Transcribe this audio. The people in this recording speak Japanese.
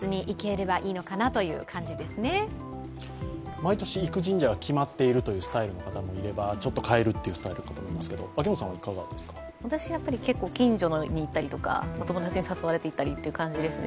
毎年行く神社が決まっているというスタイルの方もいれば、ちょっと変えるというスタイルもいると思いますけれども、秋元さんは？私は結構近所に行ったりとかお友達に誘われて行ったりという感じですね。